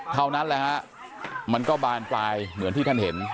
เท่านั้นแหละฮะมันก็บานปลายเหมือนที่ท่านเห็น